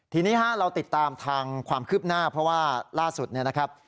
ทีนี้เราติดตามทางความคืบหน้าเพราะว่าล่าสุดเนี่ยนะครับ